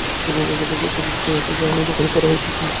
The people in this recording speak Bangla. কোথাও না কোথাও সত্য নিশ্চয়ই আছে, যাহার অনুকরণ করা হইতেছে।